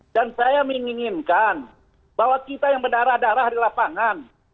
dan saya menginginkan bahwa kita yang berdarah darah di lapangan